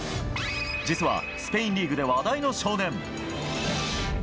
実はスペインリーグで話題の少年。